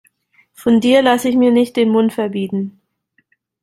Von dir lasse ich mir nicht den Mund verbieten.